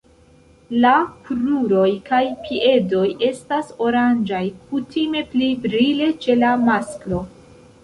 La kruroj kaj piedoj estas oranĝaj, kutime pli brile ĉe la masklo.